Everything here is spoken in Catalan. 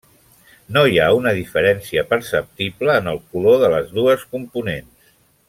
No hi ha una diferència perceptible en el color de les dues components.